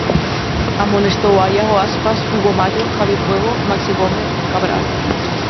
Amoestou a Iago Aspas, Hugo Mallo, Javi Fuego, Maxi Gómez, Cabral.